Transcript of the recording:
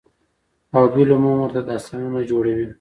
او بالعموم ورته داستانونه جوړوي،